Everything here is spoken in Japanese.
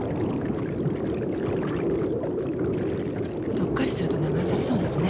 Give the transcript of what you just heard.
うっかりすると流されそうですね。